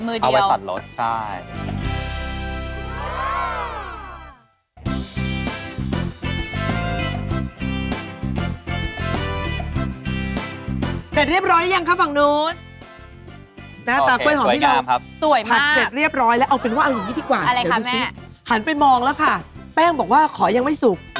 มีขายเลยเป็นผงเรียบร้อยละ